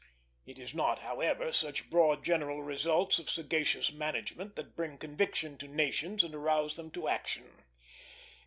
It is not, however, such broad general results of sagacious management that bring conviction to nations and arouse them to action.